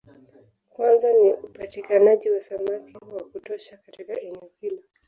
Kwanza ni upatikanaji wa samaki wa kutosha katika eneo hilo